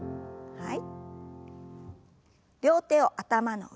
はい。